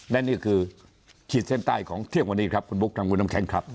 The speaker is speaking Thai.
และนี้คือขีดเส้นใต้ของที่ขึ้นถึงวันนี้ครับคุณบุ๊คทางวิวนำแค็ยนครับ